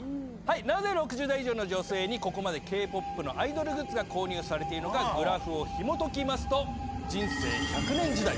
なぜ６０代以上の女性にここまでＫ−ＰＯＰのアイドルグッズが購入されているのかグラフをひもときますと人生１００年時代